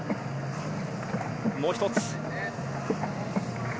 もう一つ。